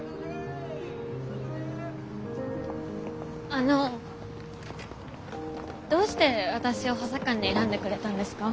あのどうして私を補佐官に選んでくれたんですか？